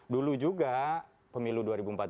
dulu juga pemilu dua ribu empat belas